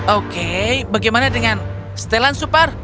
oke bagaimana dengan stellan super